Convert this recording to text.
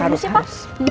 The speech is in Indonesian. harus ya pak